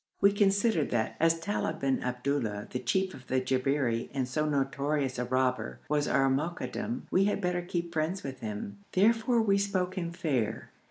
We considered that, as Talib bin Abdullah, the chief of the Jabberi and so notorious a robber, was our Mokadam, we had better keep friends with him, therefore we spoke him fair.